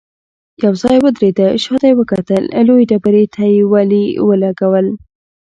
يو ځای ودرېده، شاته يې وکتل، لويې ډبرې ته يې ولي ولګول.